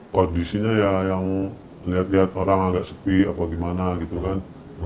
kondisinya ya yang lihat lihat orang agak sepi atau gimana gitu kan